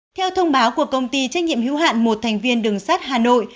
theo thông báo của công ty trách nhiệm hữu hạn một thành viên đường sắt hà nội